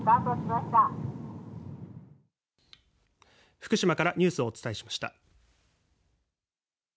福島からニュースをお伝えしました。